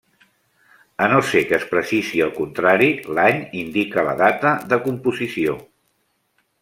A no ser que es precisi el contrari, l'any indica la data de composició.